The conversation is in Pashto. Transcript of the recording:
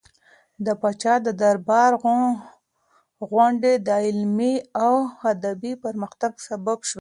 د پاچا د دربار غونډې د علمي او ادبي پرمختګ سبب شوې.